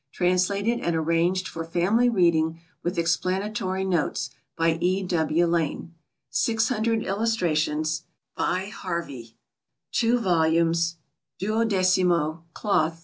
Translated and Arranged for Family Reading, with Explanatory Notes, by E. W. LANE. 600 Illustrations by Harvey. 2 vols., 12mo, Cloth, $3.